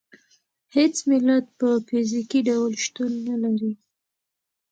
هېڅ ملت په فزیکي ډول شتون نه لري.